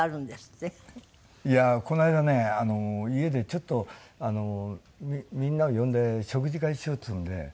いやあこの間ね家でちょっとみんなを呼んで食事会しようっつうんで。